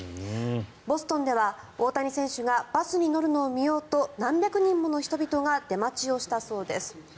ボストンでは、大谷選手がバスに乗るのを見ようと何百人もの人々が出待ちをしたそうです。